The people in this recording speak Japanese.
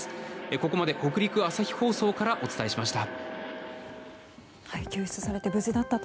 ここまで北陸朝日放送からお伝えしました。